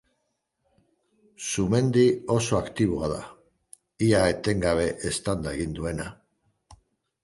Sumendi oso aktiboa da, ia etengabe eztanda egin duena.